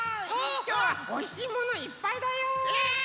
きょうはおいしいものいっぱいだよ！え！